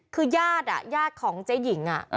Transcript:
คือยาดอ่ะยาดของเจ๋ยหญิงอ่ะ